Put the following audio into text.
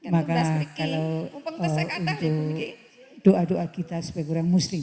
maka kalau untuk doa doa kita supaya kita muslim